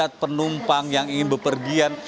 padat penumpang yang ingin berpergian